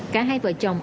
cả hai vợ chồng